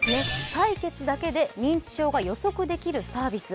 採血だけで認知症が予測できるサービス。